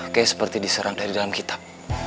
kayak seperti diserang dari dalam kitab